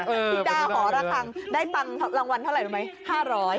ธิดาหอระคังได้ตังค์รางวัลเท่าไรรู้ไหม๕๐๐บาท